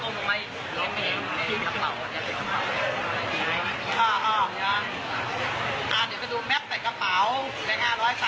ส่วนใหญ่ครบจะให้มีอีก๕๐๐